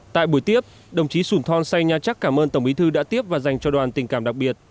tại buổi tiếp đồng chí sủn thon say nha chắc cảm ơn tổng bí thư đã tiếp và dành cho đoàn tình cảm đặc biệt